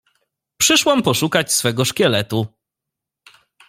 Przyszłam poszukać swego szkieletu.